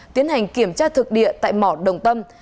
tiến hành kiểm tra thực địa tại mỏ đồng tâm